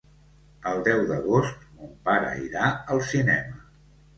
El deu d'agost mon pare irà al cinema.